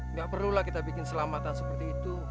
nggak perlulah kita bikin selamatan seperti itu